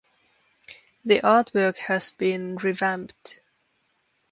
The artwork has been revamped.